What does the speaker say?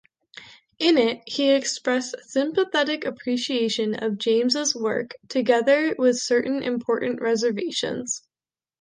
In it, he expressed sympathetic appreciation of James's work, together with certain important reservations.